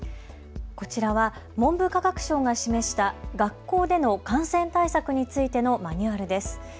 こちらは文部科学省が示した学校での感染対策についてのマニュアルです。